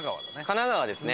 神奈川ですね。